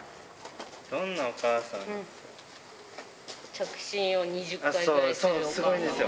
どんなお母さんですか？